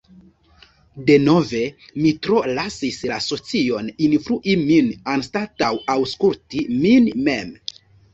Denove, mi tro lasis la socion influi min anstataŭ aŭskulti min mem.